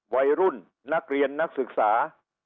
วัยรุ่นนักเรียนนักศึกษา